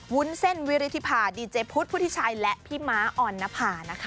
วุ้นเส้นวิริธิภาดีเจพุทธพุทธิชัยและพี่ม้าออนนภานะคะ